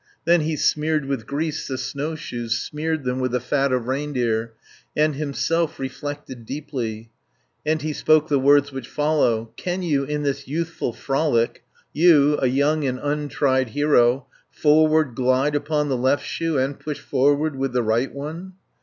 Then he smeared with grease the snowshoes, Smeared them with the fat of reindeer, And himself reflected deeply, And he spoke the words which follow: 80 "Can you, in this youthful frolic, You, a young and untried hero, Forward glide upon the left shoe, And push forward with the right one?"